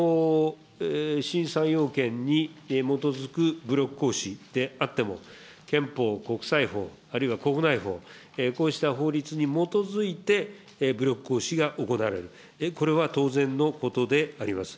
新３要件に基づく武力行使であっても、憲法、国際法、あるいは国内法、こうした法律に基づいて、武力行使が行われる、これは当然のことであります。